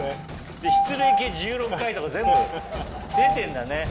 失礼系１６回とか全部出てんだね。